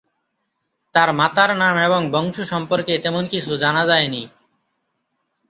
তার মাতার নাম এবং বংশ সর্ম্পকে তেমন কিছু জানা যায়নি।